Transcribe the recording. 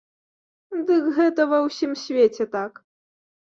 Дык гэта ва ўсім свеце так.